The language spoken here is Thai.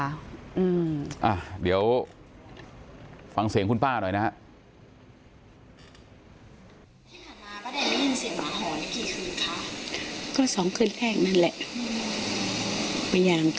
อ่ะเดี๋ยวฟังเสียงคุณป้าหน่อยนะฮะ